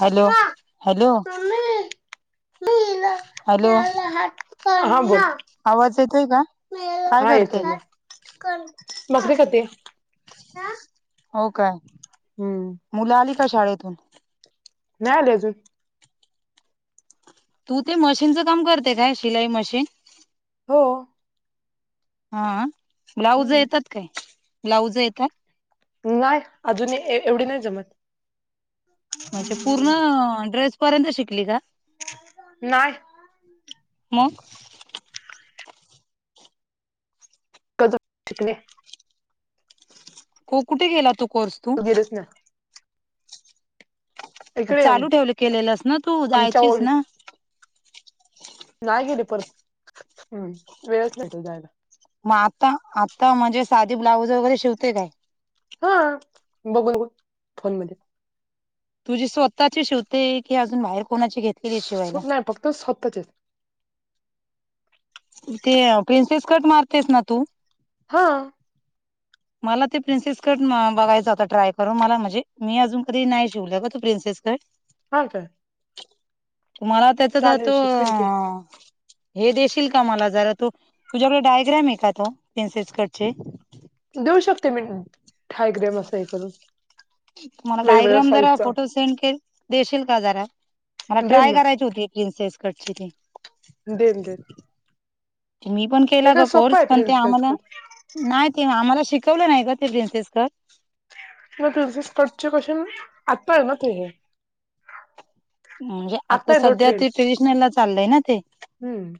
Hello hello mummy hello हा बोल आवाज येतोय का काय हा करते येतो घ्या. बकरी खाते. हो काय? मुलं आली का शाळेतून? नाही आली अजून तू ते मशीनचं काम करते काय शिलाई मशीन? हो हा ब्लाऊज हम्म येतात काय? ब्लाऊज येतात? नाय अजून ए एवढी नाही जमत म्हणजे पूर्ण ड्रेस पर्यंत शिकली का? नाय मग [unintelligible] कु, कुठे केला तू कोर्स तू? गेलेच ना इकडे चालू ठेवलं केलेलंस ना तू, आमच्या जायचीस ओळी ना? नाय गेली परत, वेळच नाही. परत जायाला म आता, आता म्हणजे साधी ब्लाऊज वगैरे शिवते काय? हा, बघून ब फोन मध्ये तुझी स्वतःची शिवते, की अजून बाहेर कोणाची घेतलेली शिवायला? तर स्वतःचेच ते प्रिनसेस कट मारतेस ना तू? हा मला ते प्रिन्सेस कट बघायचं होता ट्राय करून, मला म्हणजे मी अजून कधी नाही शिवले ग तो प्रिन्सेस काय? हा का तुम्हाला त्याच जातो शिकवेन की हे देशील का मला जरा तू, तुझ्याकडे डायग्रॅम आहे का तो? प्रिन्सेस कटचे देऊ शकते मी, ढायग्राम अस हे करून मला वेगवेगळ्या डायग्राम जरा साईजचा फोटो सेंड के देशील का जरा, मला देन ट्राय ना करायचे होते. प्रिन्सेस कटचे ते देईन, देईन मी पण केला ग सोपं कोर्स, आहे पण ते प्रिन्सेस आम्हाला कट नाय ते आम्हाला शिकवलं नाही गं ते प्रिन्सेस कट म तुझं स्कटचे कशून आत्ता आहे ना ते हे म्हणजे आत्ता आता आहे तो सध्या ट्रेंड ते ट्रेडिशनलला चाललंय ना ते हम्म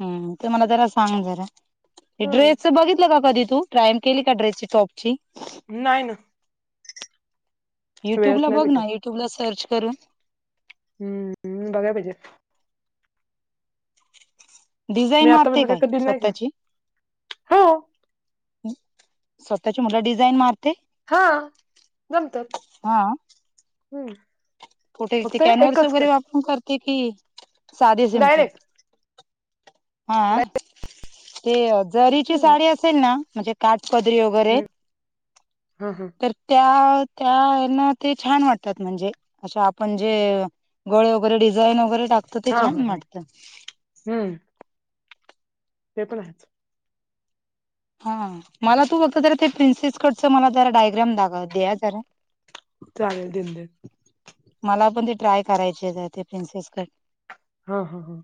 हं, ते मला जरा सांग जरा, ड्रेसच हम्म बघितलं का कधी तू? ट्रायल केली का ड्रेसची टॉपची? नाय ना युट्यूब वेळच ला नाही बघ ना, भेटत युट्यूब ला सर्च करून. हम्मम्, बघाय पाहिजेत. मी डिझाईन आतापर्यंत मारते काय कधी नाही का स्वतःची? हो स्वतःची म्हणलं डिझाईन मारते. हा, जमत्यात हा हम्मं कुठे ते कॅनवर्स वगैरे वापरून करते कि साधे सिंपल? डायरेक्ट हां डायरेक्ट. ते जरीची हम्म साडी असेल ना, म्हणजे काटपदरी हम्म वगैरे हा हा तर त्या, त्या ना ते छान वाटतात म्हणजे, अशा आपण जे गळे वगैरे डिझाईन वगैरे टाकतो ते हा हा छान हा वाटतं. हम्म. ते पण हाय हा, मला तू फक्त जरा ते प्रिन्सेस कटच मला जरा डायग्राम दाखव, द्या जरा.. चालेलं दिलदिल. मला पण ते ट्राय करायचे, ते प्रिन्सेस कट. हा हा हा.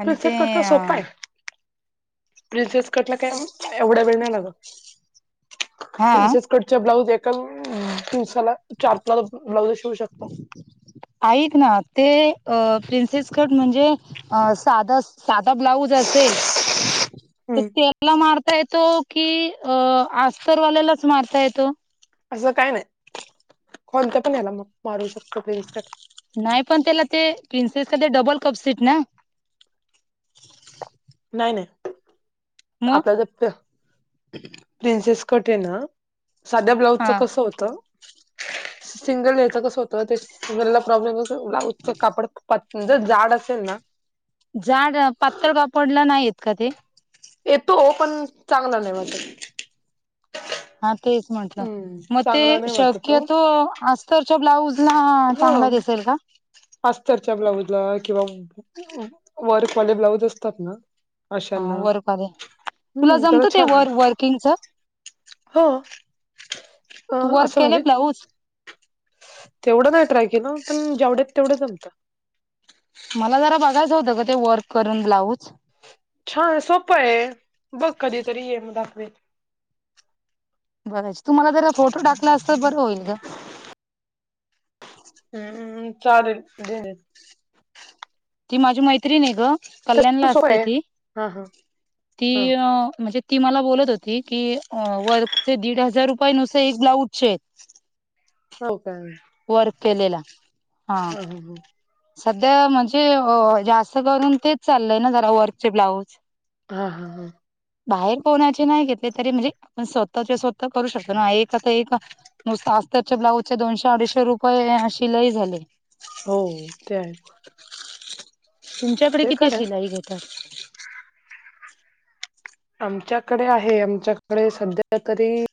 आणि ते प्रिन्सेस कट तर सोपा हाय. प्रिन्सेस कटला काय म एवढा वेळ नाय लाग, हा प्रिन्सेस पुढचा ब्लाउज एकांन दिवसाला चार पाच ब्लाउज शिऊ शकतो. ऐक ना, ते अ प्रिन्सेस कट म्हणजे अ साध साधा ब्लाऊज असेल तर त्याला मारता येतो की, अ अस्तर वाल्यालाच मारता येतो. असं काय नायं. कोणत पण हेला मग मारू शकतो प्रिन्सकट. नाय पण त्याला ते प्रिन्सेस कट ते डबल कप सीट ना? नाय नाय मग आपल्या जर प्रिन्सेस कट ये न साध्या ब्लाऊजच हा कसं होतं [unintelligible] सिंगल हयाच कसं होतं ते सिंगलला प्रॉब्लेम येतो कापड पा जर जाड असेल ना जाड, अ पातळ कापडला नाय येत का ते? येतो. पण चांगला नाय वाटतं. हा, तेच म्हटलं हम्म म ते, चांगला नाही वाटत तो शक्यतो अस्तरच्या ब्लाऊजला हा चांगला दिसेल का? अस्तरच्या ब्लाऊजला किंवा वर्कवाले ब्लाऊज असतात ना हा अशाना वर्कवाले तुला हम्म त्याला जमतं ते छान ये, वर वर्किंगच? हो. अ तू वर्क केलेय ब्लाऊज? केवढ्या वेळा ट्राय केल पण जेवढ्यात तेवढं जमतं. मला जरा बघायचं होतं ग ते वर्क करून ब्लाऊज छान सोपं ये. बघ कधीतरी ये म दाखवीन. बरेचं तु मला जरा फोटो टाकला असता, बरं होईल गं हम्मम्म चालेल. [unintelligible] ती माझी मैत्रीणी ये ग, तस कल्याणला पण सोय असते आहे. ती. हा हा ती हा म्हणजे ती मला बोलत होती की, वर्क चे दीड हजार रुपये नुसते एक ब्लाऊजचे हो का? वर्क केलेला. हा अ हं हं हं सध्या म्हणजे अ जास्त करून तेच चाललंय ना जरा वर्क चे ब्लाऊज. हा हा बाहेर कोणाचे नाय घेतले तरी म्हणजे आपण स्वतःचे स्वतः करू शकतो ना एक आता एका नुसता अस्तरच्या ब्लाऊजचे दोनशे अडीचशे रुपये शिलाई झाले. हो ते हाय तुमच्याकडे किती खरं आहे. शिलाई घेतात? आमच्याकडे आहे. आमच्याकडे सध्या तरी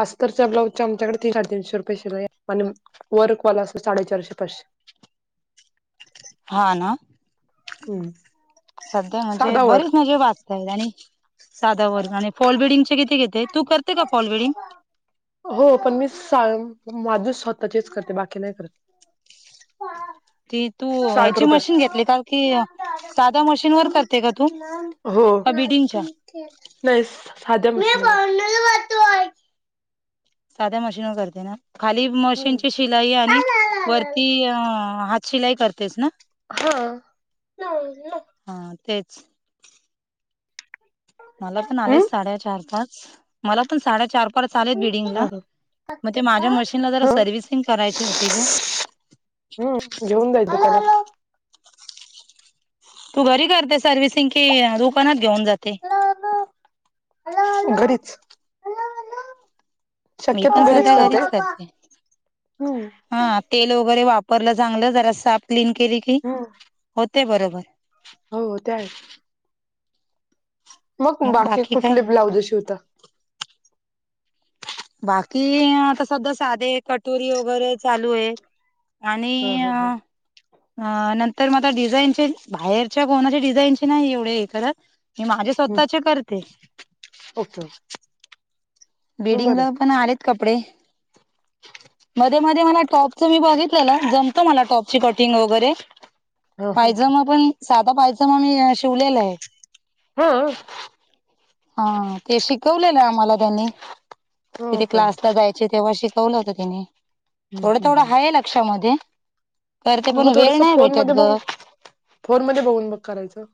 अस्तरच्या ब्लॉऊस चे आमच्याकडे तीन [unintelligible] रुपये शिलाय ये आणि वर्क वाला असं, साडेचारशे पाचशे हा ना हम्म सध्या म्हणजे, साधा वर्क बरीच म्हणजे वाच [unintelligible] आणि साधा वर्क आणि फॉल बडिंग किती घेते? तू करते का फॉल बिडिंग? हो पण मी सांग माझे स्वतःचेच करते. बाकी नाय करत. [inaudible] की तू साठ ह्याची रुपये मशीन घेतली का? की साधा मशीन वर करते का तू? हो. का बिडिंगच्या येस साध्या मशीन वर साध्या मशीन करते न, खाली हम्म मशीनची शिलाई आणि वरती हात शिलाई करतेस ना? हा. [unintelligible] हा तेच. मला पण आले हम्म साडेचार, पाच मला पण साडेचार, पाच परत चाले बिल्डिंगला हा मग ते माझ्या मशीनला जरा हा सर्व्हिसिंग करायची होती ग. हम्म, घेऊन जायच त्याला. तू घरी करते सर्व्हिसिंग कि दुकानात घेऊन जाते? घरीच. मी पण सध्या घरीच करते. हा तेल वगैरे वापरलं चांगलं जरा साफ क्लीन केली की हम्म होते बरोबर. हो ते आहे. मग बाकी कुठले ब्लाउज शिवतात? बाकी आता सध्या साधे, कटोरी वगैरे चालू आहेत. आणि हा हा ह अ नंतर म आता डिझाईनचे बाहेरच्या कोणाचे डिझाईनचे नाही एवढे हे करत. मी माझे स्वतःचे करते. Okay, okay. बिडिंग बरं ला आहे. पण आलेत कपडे. मध्ये, मध्ये मला टॉपच मी बघितलेलं जमतो मला टॉपची कटिंग वगैरे. हा ह पायजमा पण साधा पायजमा मी शिवलेला आहे. हो. हा ते शिकवलेलं आम्हाला त्यांनी हो तिथे काय क्लासला जायच तेव्हा शिकवलं होतं त्यानी थोडं, थोडं हाय लक्षामध्ये. करते पण मग वेळ थोडस नाही फोन भेटत मध्ये बघ ग. फोन मध्ये बघून बघ करायचं.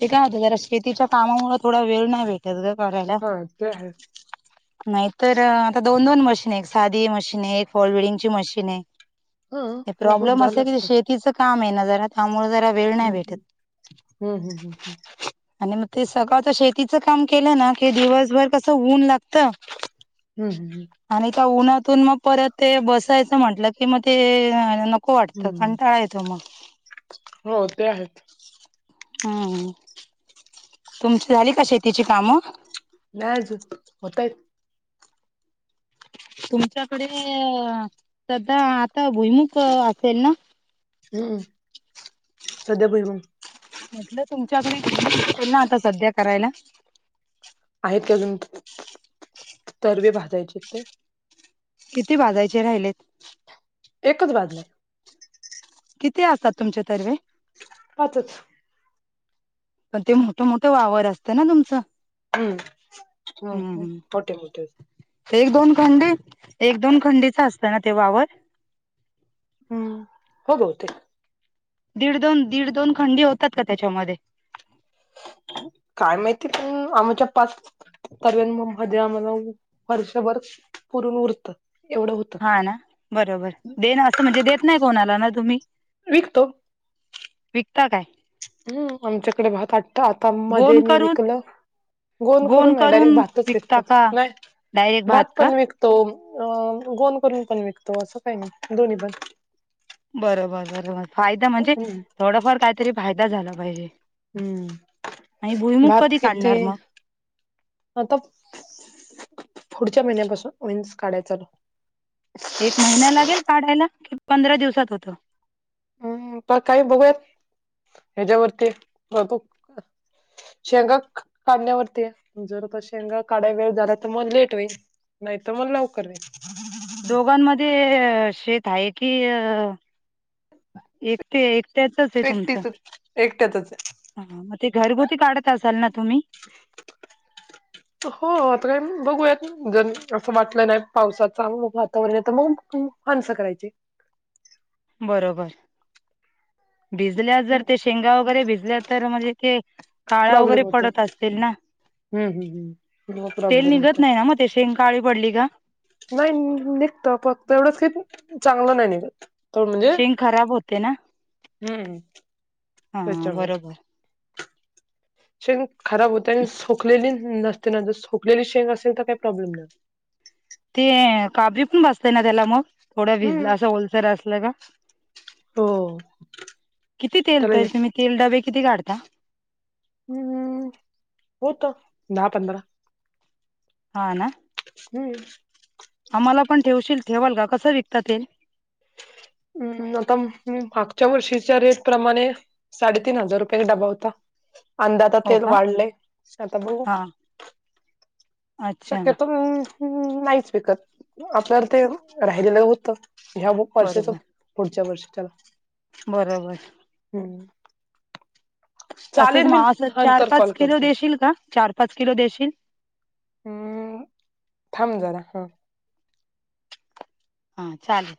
ते काय होत जरा शेतीच्या कामामुळे थोडा वेळ नाही भेटत ग करायला. ते आहे हा [unintelligible] नाहीतर आता दोन, दोन मशीन आहे एक साधी मशीन आहे एक फॉल बडिंगची मशीन आहे. हा ते मग होत प्रॉब्लेम झालं असेल असत शेतीच काम आहे ना जरा त्यामुळे जरा वेळ नाही हम्म, भेटत. हम्म, हम्म, हम्म. आणि मग ते सकाळचं शेतीचं काम केलं ना की दिवसभर कसं ऊन लागत. हा [inaudible] हम्म, हम्म, हम्म. आणि त्या उन्हातून मग परत ते बसायचं म्हंटलं की मग ते नको वाटत हम्म. काणटाळा येतो मग. हो ते आहे. हम्म, हम्म. तुमची झाली का शेतीची कामं? नाही अजून होताय. तुमच्याकडे सध्या आता भुईमुग असेल ना? हम्म. सध्या भुईमूग. म्हटलं तुमच्याकडे भुईमूग असेल ना आता सध्या करायला. आहेत का अजून तरबी भजायचे ते किती भाजायचे राहिलेत? एकच भाजलाय! किती असतात तुमचे तर बे! पाचच. पण ते मोठं मोठं वावर असतं, ना तुमचं. हूं हं हम्म मोठे मोठे. एक दोन खंडी, एक दोन खंडीच असतं ना ते वावर? हूं हो बहुतेक. दीड दोन, दीड दोन खंडी होतात का त्याच्यामध्ये. काय माहिती पण आमच्या पाच [unintelligible] मध्ये आम्हाला. वर्षभर पुरून उरतं एवढं हो हा ना बरोबर, दे न असं म्हणजे देत नाही कोणाला ना तुम्ही. विकतो विकता काय? हूं आमच्याकडे भात आठ्ठा आता मध्ये गोण मी करून विकल. गोन गोण करून नाही, डायरेक्ट भातच विकता विकतो, का नाही डायरेक्ट भात का पण विक तो अ गोन करून पण विकतो असं काही नाही, दोन्ही पण. बरोबर बरोबर, फायदा म्हणजे हम्म थोडंफार काहीतरी फायदा झाला पाहिजे. हम्म आणि भुईमुग भात कधी किती काढणार मग? आता पुढच्या महिन्यापासून होईन्स काढाय चालू. एक महिना लागेल काढायला, कि पंधरा दिवसात होतं. हं त काही बघूयात हेच्यावरती बघु. शेंगा काढण्यावरती आहे, जर त शेंगा काढायला वेळ झाला तर मग लेट होईन. नाही त म लवकर हुईन. दोघांमध्ये शेत आहे की अ! एकटे एकट्यातच आहे तुमच्यां. एकटीच एकट्यातच आहे. हा म ते घरगुती काढत असाल ना तुमी. [inaudible] हो आता काय बघूयात, जर असं वाटलं नाही पावसाचा वातावरण आहे त मंग. मानसं करायचे. बरोबर भिजल्या जर ते शेंगा वगैरे भिजल्या तर म्हणजे ते! काळा प्रॉब्लेम वगैरे पडत असतील ना? ह पन मं तेल प्रॉब्लेम होय. निघत नाही ना म शेंग काळी पडली का! नाही नी-निघतो फक्त एवढंच की चांगलं नाही निघत. त म्हणजे शेंग खराब होते ना? हु हा त्याच्यामुळ. बरोबर शेंग खराब होते, सुखलेली नसते ना, ज सुखलेली शेंग असेल तर काही प्रॉब्लेम नाही. ते काब्री पण बसतंय ना त्याला मग, थोडा हम्म भिजला असं ओलसर असल का? हो! किती तेल त्याला तरी तुम्ही तेल डबे किती काढता? हु होत दहा पंधरा. हा ना. हु! आम्हाला पण ठेवशील, ठेवाल का कसं विकता तेल. ऊ आता मी मागच्या वर्षीच्या रेट प्रमाणे साडेतीन हजार रुपयाने डबा होता. अंदा आता हो तेल का वाढलेय आता बघू. हा अच्छा शक्यतो अम अम अम नाहीच विकत आपल्याला ते आलेलं होतं ह्या वर्षाचं बरोबर पुढच्या वर्षाच्याला बरोबर हम्म असंच म असंच चार नंतर पाच कॉल किलो करते देशील का? चार पाच किलो देशील? अम्म थांब जरा हा हा चालेल